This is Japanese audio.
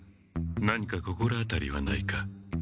何か心当たりはないか？